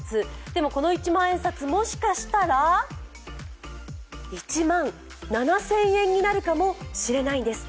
でもこの一万円札、もしかしたら１万７０００円になるかもしれないんです。